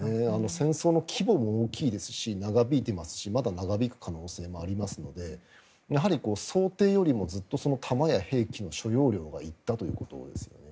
戦争の規模も大きいですし長引いていますしまだ長引く可能性もありますので想定よりもずっと弾や兵器の所要量が行ったということですね。